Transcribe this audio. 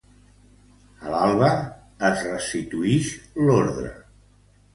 A l'alba, es restituïx l'ordre.